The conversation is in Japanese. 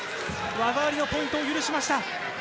技ありのポイントを奪いました。